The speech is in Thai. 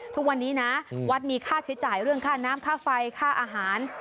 ทุกวันนี้นะวัดมีค่าใช้จ่ายเรื่องค่าน้ำค่าไฟค่าอาหาร